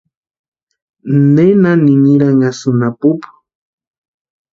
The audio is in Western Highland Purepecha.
¿Nena niniranhasïni apupu?